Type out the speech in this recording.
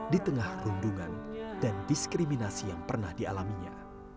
di tengah rundungan dan diskriminasi yang pernah dialaminya